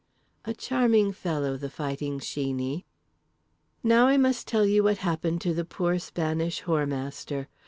A charming fellow, The Fighting Sheeney. Now I must tell you what happened to the poor Spanish Whoremaster.